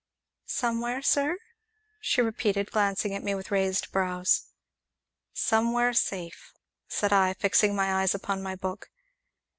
"Somewhere, sir?" she repeated, glancing at me with raised brows. "Somewhere safe," said I, fixing my eyes upon my book.